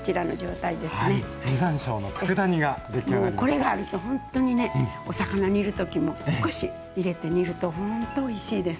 これがあるとほんとにねお魚煮る時も少し入れて煮るとほんとおいしいですから。